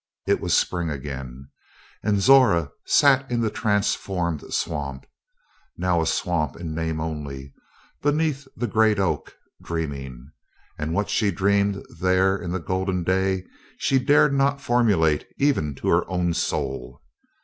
It was Spring again, and Zora sat in the transformed swamp now a swamp in name only beneath the great oak, dreaming. And what she dreamed there in the golden day she dared not formulate even to her own soul.